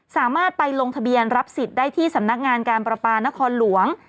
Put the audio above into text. สามารถไปลงทะเบียนรับสิทธิ์ได้ที่สำนักงานการประปานครหลวง